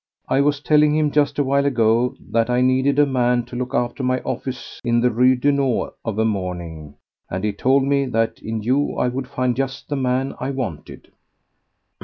"I was telling him just awhile ago that I needed a man to look after my office in the Rue Daunou of a morning, and he told me that in you I would find just the man I wanted."